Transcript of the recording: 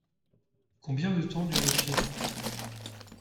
Combien de temps dure le film ?